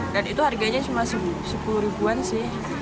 dan itu harganya cuma sepuluh ribuan sih